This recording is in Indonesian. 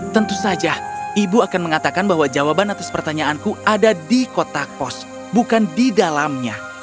tentu saja ibu akan mengatakan bahwa jawaban atas pertanyaanku ada di kota kos bukan di dalamnya